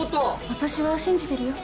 私は信じてるよ